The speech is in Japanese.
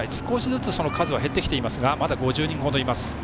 少しずつ数は減ってきていますがまだ５０人ほどいます。